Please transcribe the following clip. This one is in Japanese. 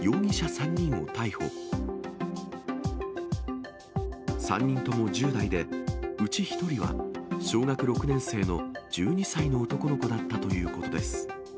３人とも１０代で、うち１人は小学６年生の１２歳の男の子だったということです。